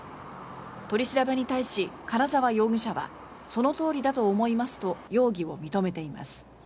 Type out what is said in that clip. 取り調べに対し金沢容疑者はそのとおりだと思いますと容疑を認めています。